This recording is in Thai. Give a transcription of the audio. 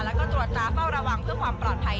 แล้วก็ตรวจตาเฝ้าระวังเพื่อความปลอดภัย